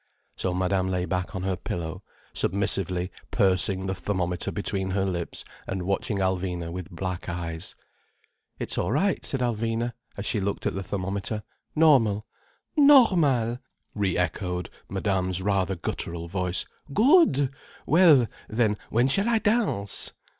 So Madame lay back on her pillow, submissively pursing the thermometer between her lips and watching Alvina with black eyes. "It's all right," said Alvina, as she looked at the thermometer. "Normal." "Normal!" re echoed Madame's rather guttural voice. "Good! Well, then when shall I dance?"